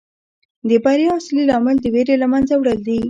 د بریا اصلي لامل د ویرې له منځه وړل دي.